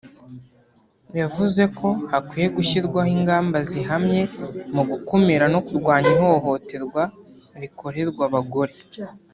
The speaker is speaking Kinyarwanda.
yavuze ko hakwiye gushyirwaho ingamba zihamye mu gukumira no kurwanya ihohoterwa rikorerwa abagore